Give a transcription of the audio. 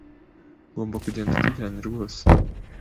ngomba kugenda tujyanye rwose